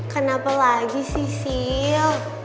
kenapa lagi sih sil